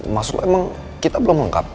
maksud lo emang kita belum lengkap